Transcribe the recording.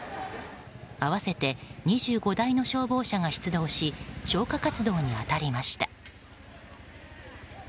合わせて２５台の消防車が出動し消火活動に当たりました。